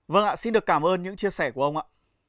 vâng ạ xin được cảm ơn những chia sẻ của ông ạ